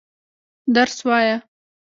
درس وايه.